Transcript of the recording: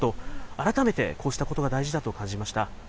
改めてこうしたことが大事だと感じました。